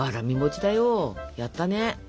やったね。